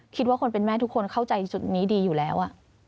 คิดว่าคนเป็นแม่ทุกคนเข้าใจจุดนี้ดีอยู่แล้ว